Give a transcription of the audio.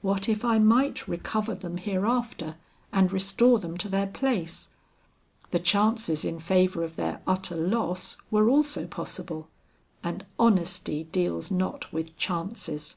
What if I might recover them hereafter and restore them to their place; the chances in favor of their utter loss were also possible, and honesty deals not with chances.